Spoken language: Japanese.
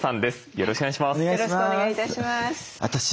よろしくお願いします。